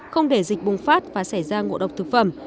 không để dịch bùng phát và xảy ra ngộ độc thực phẩm